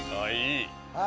いい。